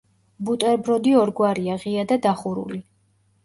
ბუტერბროდი ორგვარია: ღია და დახურული.